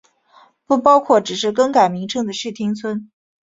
不包括只是更改名称的市町村。